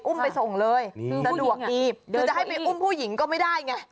ไปส่งเลยสะดวกดีคือจะให้ไปอุ้มผู้หญิงก็ไม่ได้ไง